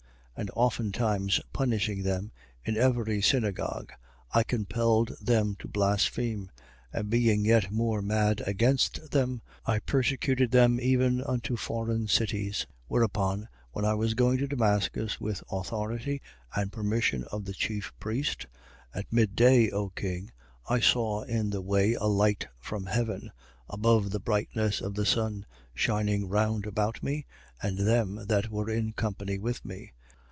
26:11. And oftentimes punishing them, in every synagogue, I compelled them to blaspheme: and being yet more mad against them, I persecuted them even unto foreign cities. 26:12. Whereupon, when I was going to Damascus with authority and permission of the chief priest, 26:13. At midday, O king, I saw in the way a light from heaven, above the brightness of the sun, shining round about me and them that were in company with me.